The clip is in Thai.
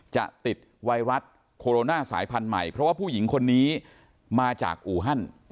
จะติดไวรัสโคโรนาสายพันธุ์ใหม่เพราะว่าผู้หญิงคนนี้มาจากอูฮัน